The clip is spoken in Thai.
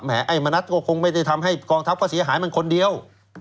ไอ้มณัฐก็คงไม่ได้ทำให้กองทัพก็เสียหายมันคนเดียว